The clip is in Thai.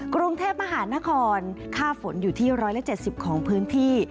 กรุงเทพมหานครค่าฝนอยู่ที่๑๗๐ของพื้นที่